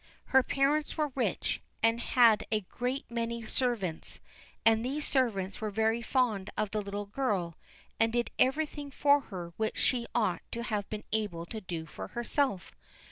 Her parents were rich, and had a great many servants; and these servants were very fond of the little girl, and did everything for her which she ought to have been able to do for herself.